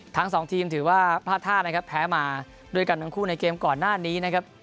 ทั้งสองทีมถือว่าการแพ้มาด้วยกับทั้งคู่ในเกมก่อนหน้านี้